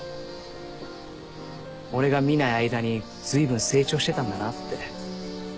俺が見ない間にずいぶん成長してたんだなって。